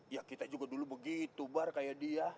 ya kita juga dulu begitu bar kayak dia